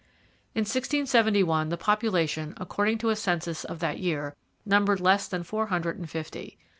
In 1671 the population, according to a census of that year, numbered less than four hundred and fifty.